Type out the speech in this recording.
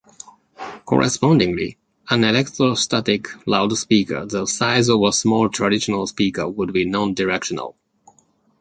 Correspondingly, an electrostatic loudspeaker the size of a small traditional speaker would be non-directional.